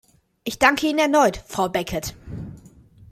Ich danke Ihnen erneut, Frau Beckett.